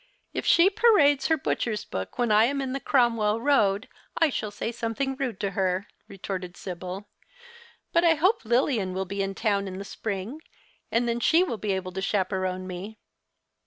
" If she parades her butcher's book \\ hen I am in the 76 The Christmas Hirelings. Cromwell Koad I shall say something rude to her," retorted Sibyl ;" but I hope Lilian will be in town in the spring, and then she will be able to chaperon me.